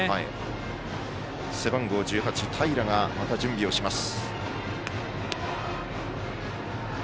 背番号１８、平がまた準備をします。